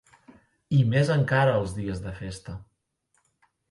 I més encara els dies de festa.